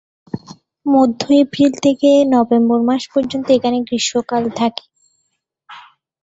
মধ্য এপ্রিল থেকে নভেম্বর মাস পর্যন্ত এখানে গ্রীষ্মকাল থাকে।